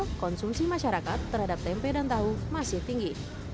karena konsumsi masyarakat terhadap tempe dan tahu masih tinggi